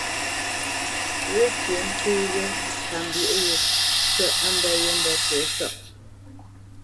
Wécyə̌ té wé ŋkambwə̌ yē kə̂ á mbə̄ yé mbə̄ tɛ̌sáʼ.